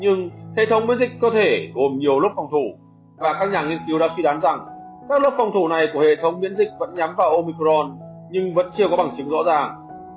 nhưng hệ thống biế dịch cơ thể gồm nhiều lớp phòng thủ và các nhà nghiên cứu đã suy đoán rằng các lớp phòng thủ này của hệ thống miễn dịch vẫn nhắm vào omicron nhưng vẫn chưa có bằng chứng rõ ràng